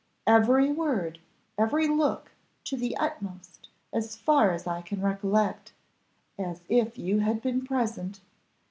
"Every word, every look, to the utmost, as far as I can recollect, as if you had been present.